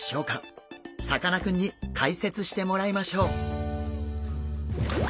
さかなクンに解説してもらいましょう。